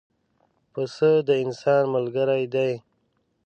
پسه د انسان ملګری دی.